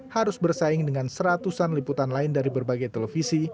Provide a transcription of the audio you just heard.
harus bersaing dengan seratusan liputan lain dari berbagai televisi